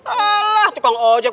alah tukang ojek